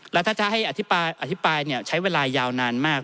แล้วถ้าจะให้อธิบายใช้เวลายาวนานมาก